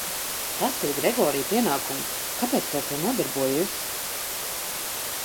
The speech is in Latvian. Tas ir Gregorija pienākums, kāpēc tu ar to nodarbojies?